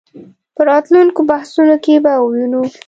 په راتلونکو بحثونو کې به ووینو.